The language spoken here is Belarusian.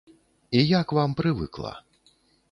І я к вам прывыкла.